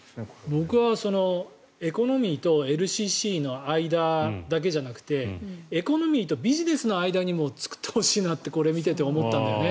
僕はエコノミーとＬＣＣの間だけじゃなくてエコノミーとビジネスの間にも作ってほしいなとこれを見ていて思ったんだよね。